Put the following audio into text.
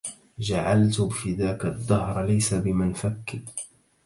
جعلت فداك الدهر ليس بمنفك